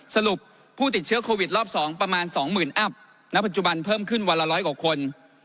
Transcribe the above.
สรุปผู้ติดเชื้อโควิดรอบ๒ประมาณ๒๐๐๐๐อัพณพบเพิ่มขึ้น๑๐๐คน